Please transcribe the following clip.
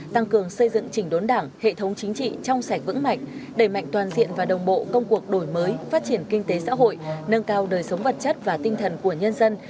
tăng cường xây dựng chỉnh đốn đảng hệ thống chính trị trong sạch vững mạnh đẩy mạnh toàn diện và đồng bộ công cuộc đổi mới phát triển kinh tế xã hội nâng cao đời sống vật chất và tinh thần của nhân dân